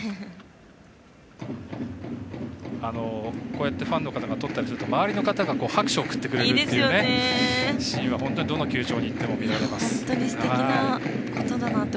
こうやってファンの方がとったりすると拍手を送ってくれるというシーンは本当にどの球場に行っても見られます。